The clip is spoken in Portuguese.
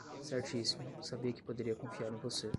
Certíssimo, sabia que poderia confiar em você